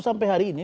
sampai hari ini